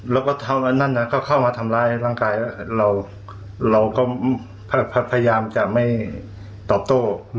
แล้วก็เข้ามาทำร้ายร่างกายเราก็พยายามจะไม่ตอบโต้